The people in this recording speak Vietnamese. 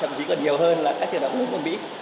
thậm chí còn nhiều hơn là các trường đại học quốc hội mỹ